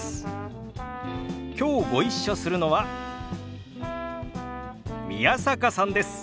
きょうご一緒するのは宮坂さんです。